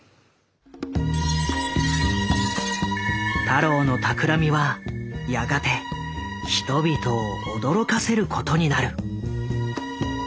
太郎の企みはやがて人々を驚かせることになる。